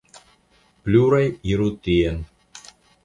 Pluraj iru tien.